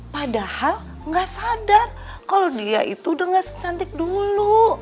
padahal nggak sadar kalau dia itu dengan secantik dulu